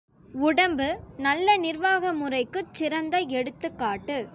உடம்பு நல்ல நிர்வாக முறைக்குச் சிறந்த எடுத்துக் காட்டு.